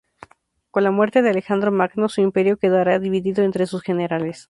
Con la muerte de Alejandro Magno, su imperio quedará dividido entre sus generales.